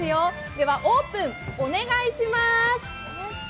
では、オープン、お願いします。